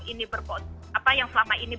ini apa yang selama ini